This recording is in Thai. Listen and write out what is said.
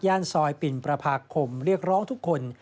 ซอยปิ่นประพาคมเรียกร้องทุกคน